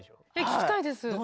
聴きたいです。